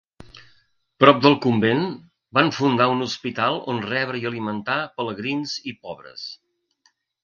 Prop del convent, van fundar un hospital on rebre i alimentar pelegrins i pobres.